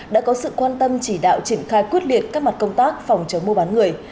đã có sự quan tâm chỉ đạo triển khai quyết liệt các mặt công tác phòng chống mua bán người